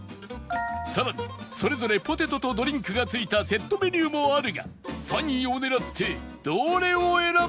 さらにそれぞれポテトとドリンクが付いたセットメニューもあるが３位を狙ってどれを選ぶのか？